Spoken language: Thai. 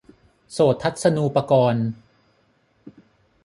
โสตทัศนูปกรณ์